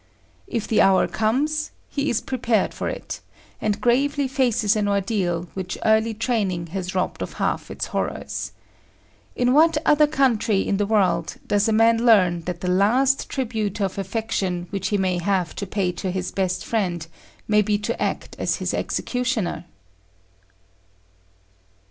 If the hour comes, he is prepared for it, and gravely faces an ordeal which early training has robbed of half its horrors. In what other country in the world does a man learn that the last tribute of affection which he may have to pay to his best friend may be to act as his executioner?